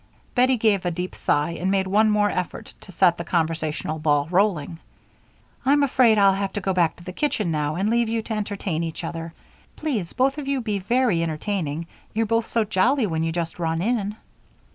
Bettie gave a deep sigh and made one more effort to set the conversational ball rolling. "I'm afraid I'll have to go back to the kitchen now, and leave you to entertain each other. Please both of you be very entertaining you're both so jolly when you just run in."